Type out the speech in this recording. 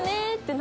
何？